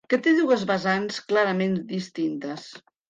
Que té dues vessants clarament distintes.